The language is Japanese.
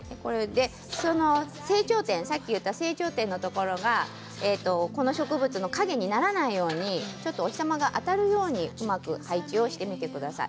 成長点さっき言った成長点のところがこの植物の影にならないようにお日様が当たるようにうまく配置をしてみてください。